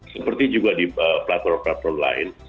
seperti juga di platform platform lain